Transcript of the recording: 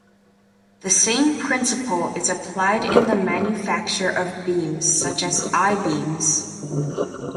The same principle is applied in the manufacture of beams such as I-beams.